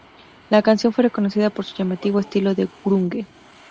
La canción fue reconocida por su llamativo estilo de grunge.